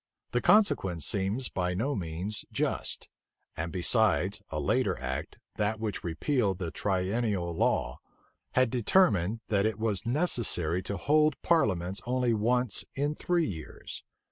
The consequence seems by no means just; and besides, a later act, that which repealed the triennial law, had determined, that it was necessary to hold parliaments only once in three years.